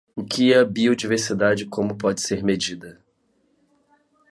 O que é biodiversidade e como pode ser medida?